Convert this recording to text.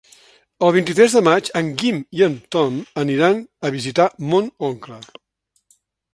El vint-i-tres de maig en Guim i en Tom aniran a visitar mon oncle.